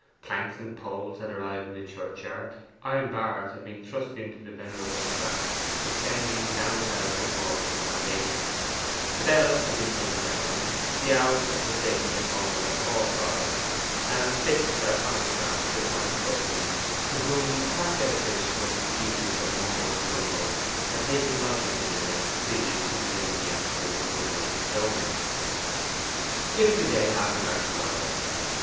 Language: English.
Planks and poles had arrived in the churchyard, iron bars had been thrust into the venerable crack extending down the belfry wall to the foundation, the bells had been taken down, the owls had forsaken this home of their forefathers, and six iconoclasts in white fustian, to whom a cracked edifice was a species of Mumbo Jumbo, had taken lodgings in the village previous to beginning the actual removal of the stones. This was the day after Knight's arrival.